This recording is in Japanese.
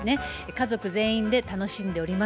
家族全員で楽しんでおります。